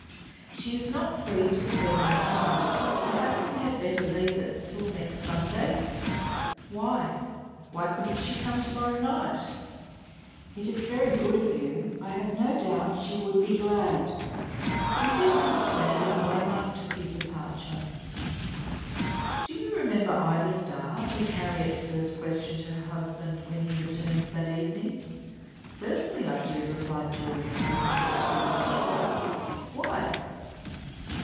"She is not free till seven at night. Perhaps we had better leave it till next Sunday?" "Why? Why couldn't she come to morrow night?" "It is very good of you. I have no doubt she would be glad." With this understanding Waymark took his departure. "Do you remember Ida Starr?" was Harriet's first question to her husband when he returned that evening. "Certainly I do," replied Julian, with complete self control. "Why?"